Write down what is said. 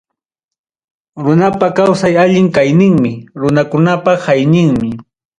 Runapa kawsan allin kayninmi, runakunapa hayñinmi.